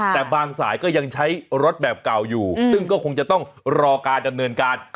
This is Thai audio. แต่บางสายก็ยังใช้รถแบบเก่าอยู่ซึ่งก็คงจะต้องรอการดำเนินการ